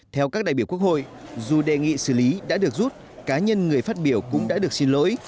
theo các đại biểu quốc hội dù đề nghị xử lý đã được rút cá nhân người phát biểu cũng đã được xin lỗi